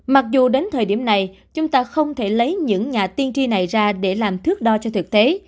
mặc dù đến thời điểm này chúng ta không thể lấy những nhà tiên tri này ra để làm thước đo cho thực tế